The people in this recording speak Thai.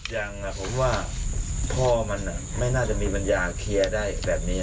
ยังผมว่าพ่อมันไม่น่าจะมีปัญญาเคลียร์ได้แบบนี้